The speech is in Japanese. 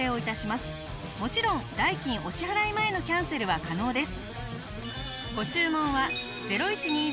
もちろん代金お支払い前のキャンセルは可能です。